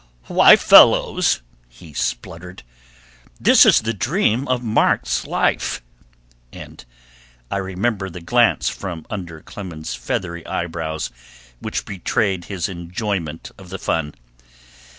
"Why, fellows," he spluttered, "this is the dream of Mark's life," and I remember the glance from under Clemens's feathery eyebrows which betrayed his enjoyment of the fun.